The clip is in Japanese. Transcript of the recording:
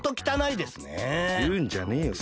いうんじゃねえよ